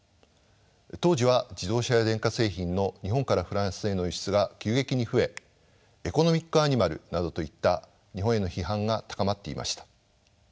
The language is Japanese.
当時は自動車や電化製品の日本からフランスへの輸出が急激に増えエコノミックアニマルなどといった日本への批判が高まっていました。